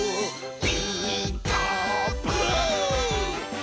「ピーカーブ！」